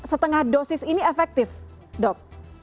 setengah dosis ini efektif dok